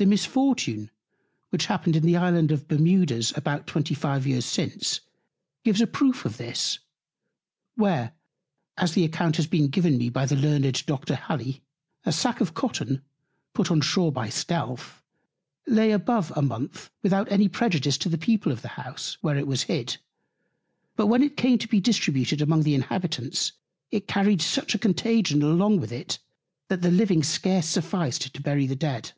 The Misfortune, which happened in the Island of Bermudas about 25 Years since, gives a Proof of this; where, as the Account has been given me by the learned Dr. Halley, a Sack of Cotton, put on Shoar by Stealth, lay above a Month without any Prejudice to the People of the House, where it was hid; but when it came to be distributed among the Inhabitants, it carried such a Contagion along with it, that the living scarce sufficed to bury the Dead.